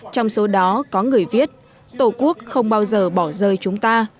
trong số đó có người viết tổ quốc không bao giờ bỏ rơi chúng ta